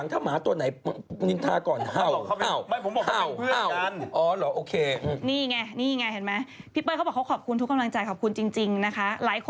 ทำดีได้ดีทำชั่วได้ชั่ว